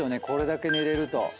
これだけ寝れると。